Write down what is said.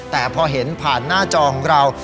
แต่พอเห็นผ่านหน้าจอของเรา